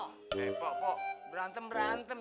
eh pok pok berantem berantem